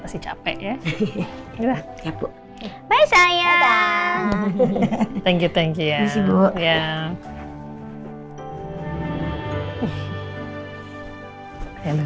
pasti capek ya udah udah saya ya thank you thank you ya ya